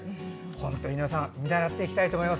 本当に井上さん見習っていきたいと思います